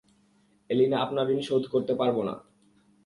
এলিনা আপনার ঋণ শোধ করতে পারবো না।